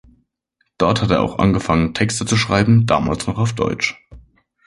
Dort hat er auch angefangen, Texte zu schreiben, damals noch auf Deutsch.